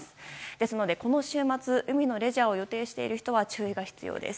ですので、この週末海のレジャーを予定している人は注意が必要です。